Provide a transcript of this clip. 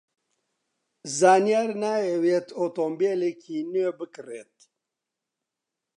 زانیار نایەوێت ئۆتۆمۆبیلێکی نوێ بکڕێت.